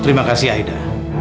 terima kasih aida